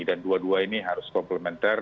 dan dua dua ini harus komplementer